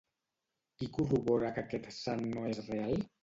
Qui corrobora que aquest sant no és real?